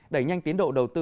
đẩy nhanh tiến độ đầu tư